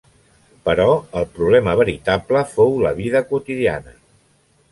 Però el problema veritable fou la vida quotidiana.